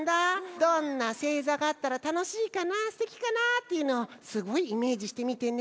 どんなせいざがあったらたのしいかなすてきかなっていうのをすごいイメージしてみてね。